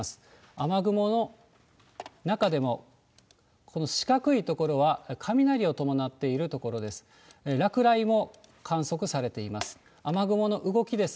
雨雲の中でも、この四角い所は雷を伴っている所です。